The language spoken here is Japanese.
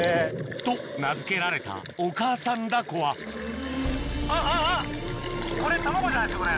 と名付けられたお母さんダコはこれ卵じゃないですかこれ。